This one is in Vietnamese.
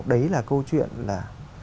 đấy là câu chuyện là